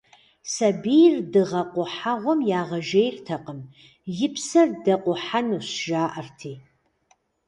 Сабийр дыгъэ къухьэгъуэм ягъэжейртэкъым, и псэр дыкъухьэнущ, жаӀэрти.